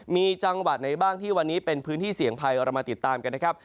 มีจังหวัดไหนบ้างที่วันนี้เป็นพื้นที่เสี่ยงภัยเรามาติดตามกันนะครับ